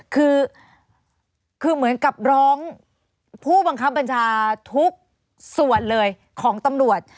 คือคือเหมือนกับร้องผู้บังคับบัญชาทุกส่วนเลยของตำรวจ